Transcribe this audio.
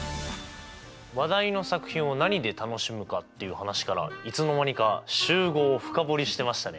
話題の作品を何で楽しむか？っていう話からいつの間にか集合を深掘りしてましたね。